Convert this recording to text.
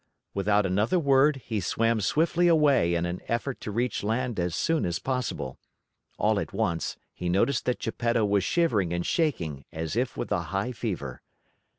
Without another word, he swam swiftly away in an effort to reach land as soon as possible. All at once he noticed that Geppetto was shivering and shaking as if with a high fever.